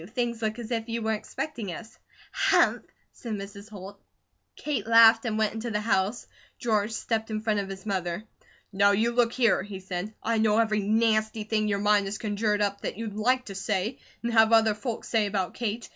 Things look as if you were expecting us." "Hump!" said Mrs. Holt. Kate laughed and went into the house. George stepped in front of his mother. "Now you look here," he said. "I know every nasty thing your mind has conjured up that you'd LIKE to say, and have other folks say, about Kate.